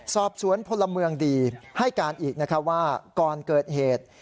สอบสวนพลเมืองดีให้การอีกนะครับว่าก่อนเกิดเหตุ